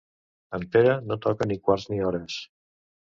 En Pere no toca ni quarts ni hores.